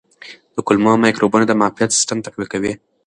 د کولمو مایکروبونه د معافیت سیستم تقویه کوي.